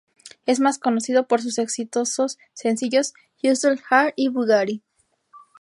Es más conocido por sus exitosos sencillos "Hustle Hard" y "Bugatti".